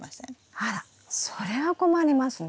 あらそれは困りますね。